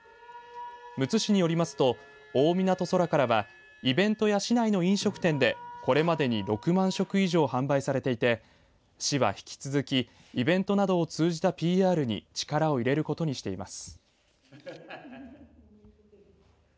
むつ市によりますと大湊Ｓｏｒａ空っ！はイベントや市内の飲食店でこれまでに６万食以上販売されていて市は引き続きイベントなどを通じたＰＲに力を入れることにしています。